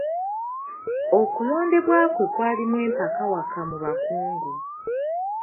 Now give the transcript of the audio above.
Okulondebwa kwe kwalimu empakawaka mu Bakungu.